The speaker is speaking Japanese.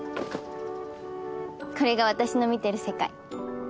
これが私の見てる世界。